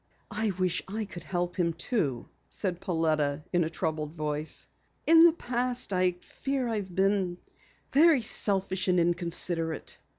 "I wish I could help him, too," said Pauletta in a troubled voice. "In the past I fear I've been very selfish and inconsiderate."